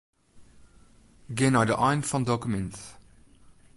Gean nei de ein fan dokumint.